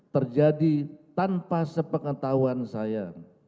terjadi tanpa sepengetahuan saya